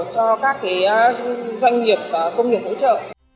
cho các doanh nghiệp và công nghiệp hỗ trợ